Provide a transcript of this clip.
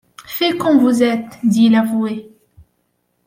Fait comme vous êtes? dit l’avoué.